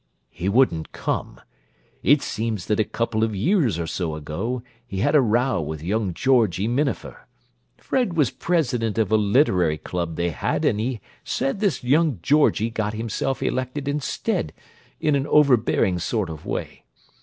"He wouldn't come. It seems that a couple of years or so ago he had a row with young Georgie Minafer. Fred was president of a literary club they had, and he said this young Georgie got himself elected instead, in an overbearing sort of way.